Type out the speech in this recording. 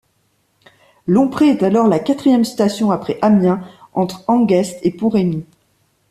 Longpré est alors la quatrième station après Amiens, entre Hangest et Pont-Remy.